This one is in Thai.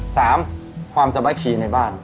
สามความสามัคคีในบ้าน